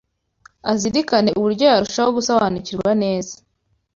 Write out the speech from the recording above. azirikane uburyo yarushaho gusobanukirwa neza